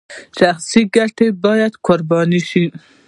شخصي ګټې باید قرباني شي